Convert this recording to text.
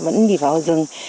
vẫn đi vào rừng